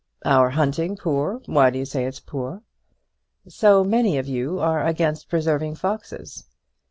"Our hunting poor! Why do you say it's poor?" "So many of you are against preserving foxes."